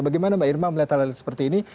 bagaimana mbak irma melihat hal ini seperti apa